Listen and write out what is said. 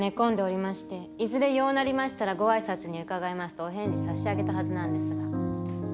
いずれようなりましたらご挨拶に伺いますとお返事差し上げたはずなんですが。